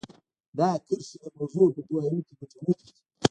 دا کرښې د موضوع په پوهاوي کې ګټورې دي